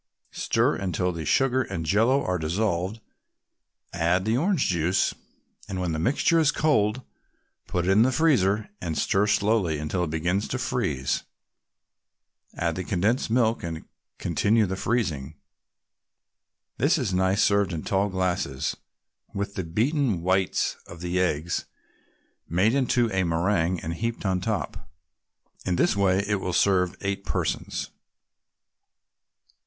Stir until the sugar and Jello are dissolved, add the orange juice, and when the mixture is cold, put it in the freezer and stir slowly until it begins to freeze. Add the condensed milk, and continue the freezing. This is nice served in tall glasses, with the beaten whites of the eggs made into a meringue and heaped on top. In this way it will serve eight persons.